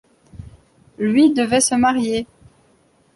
Lui, devait se marier.